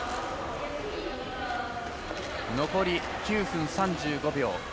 残り９分３５秒。